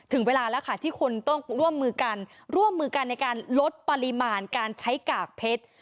ถึงเวลาแล้วค่ะที่คนต้องร่วมมือกันร่วมมือกันในการลดปริมาณการใช้กากเพชร